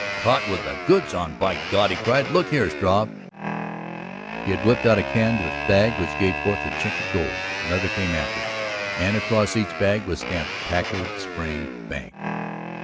"Caught with the goods on, by God!" he cried. "Look here, Struve!" He had whipped out a canvas bag which gave forth the chink of gold. Another came after it. And across each bag was stamped "Packard Springs Bank."